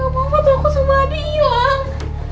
gak mau patuh aku sama andi hilang